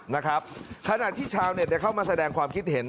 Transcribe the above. นะครับขณะที่ชาวเน็ตเข้ามาแสดงความคิดเห็น